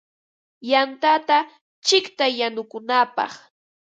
Yantata chiqtay yanukunapaq.